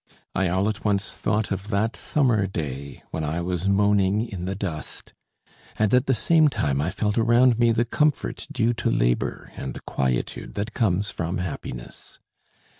I all at once thought of that summer day when I was moaning in the dust, and at the same time I felt around me the comfort due to labour and the quietude that comes from happiness.